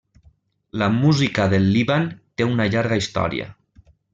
La música del Líban té una llarga història.